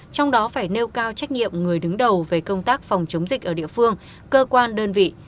trong đó phải nêu cao trách nhiệm người đứng đầu về công tác phòng chống dịch ở địa phương cơ quan đơn vị